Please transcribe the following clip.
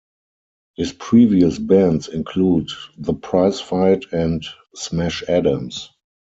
His previous bands include The Prize Fight and Smash Adams.